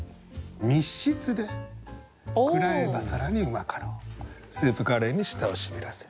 「密室で喰らえばさらにうまかろうスープカレーに舌を痺らせ」。